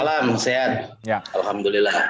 selamat malam sehat alhamdulillah